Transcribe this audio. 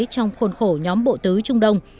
trong khuôn khổ nhóm bộ tứ trung đông